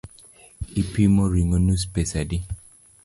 Ipimo ring’o nus pesa adi?